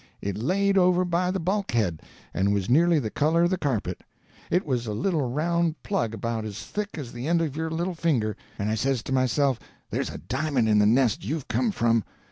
It laid over by the bulkhead, and was nearly the color of the carpet. It was a little round plug about as thick as the end of your little finger, and I says to myself there's a di'mond in the nest you've come from.